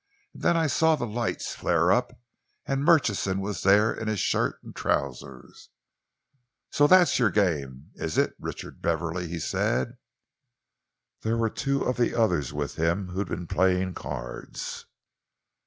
And then I saw the lights flare up, and Murchison was there in his shirt and trousers. "'So that's your game, is it, Richard Beverley?' he said. "There were two of the others with him who'd been playing cards.